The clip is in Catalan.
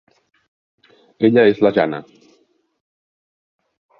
Ella és la Jana.